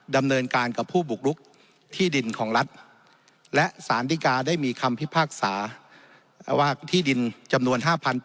ดำเนินการกับผู้บุกลุกที่ดินของรัฐและสารดิกาได้มีคำพิพากษาว่าที่ดินจำนวน๕๘๐๐